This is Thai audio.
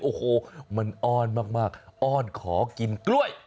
โอ้โหมันอ้อนมากอ้อนขอกินกล้วย